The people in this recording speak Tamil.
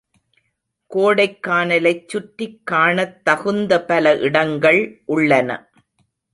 கோடைக்கானலைச் சுற்றிக் காணத் தகுந்த பல இடங்கள் உள்ளன.